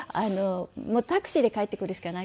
タクシーで帰ってくるしかないんですよね